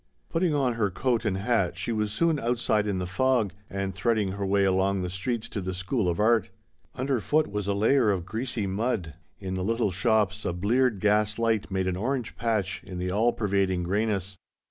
Putting on her coat and hat she was soon outside in the fog, and threading her way along the streets to the School of Art. Underfoot was a layer of greasy mud. In the little shops a bleared gaslight made an orange patch in the all pervading greyness.